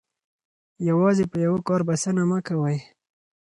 یوازې په یوه کار بسنه مه کوئ.